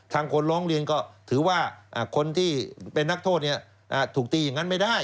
คนร้องเรียนก็ถือว่าคนที่เป็นนักโทษถูกตีอย่างนั้นไม่ได้